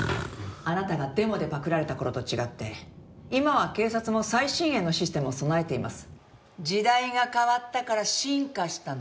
「あなたがデモでパクられた頃と違って今は警察も最新鋭のシステムを備えています」時代が変わったから進化したの。